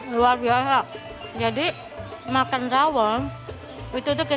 luar biasa dia bisa makan rawon itu kita nemukan